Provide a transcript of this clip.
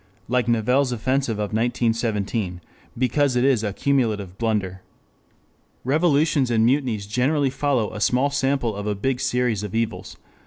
] like Nivelle's offensive of 1917, because it is a cumulative blunder. Revolutions and mutinies generally follow a small sample of a big series of evils.